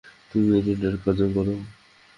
তুমি এজেন্টের কাজও করো?